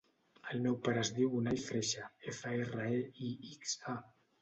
El meu pare es diu Unai Freixa: efa, erra, e, i, ics, a.